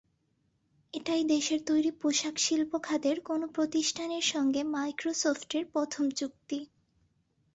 এটাই দেশের তৈরি পোশাক শিল্প খাতের কোনো প্রতিষ্ঠানের সঙ্গে মাইক্রোসফটের প্রথম চুক্তি।